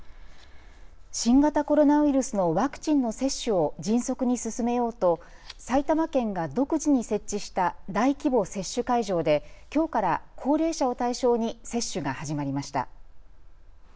新型コロナウイルスのワクチンの接種を迅速に進めようと埼玉県が独自に設置した大規模接種会場できょうから高齢者を対象に接種が始まりました。